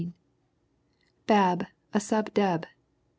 Bab, a Sub Deb.